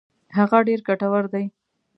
هغه ډېر ګټور دي.